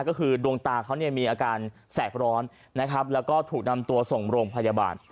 ก็คือดวงตาเขาเนี่ยมีอาการแสบร้อนนะครับแล้วก็ถูกนำตัวส่งโรงพยาบาล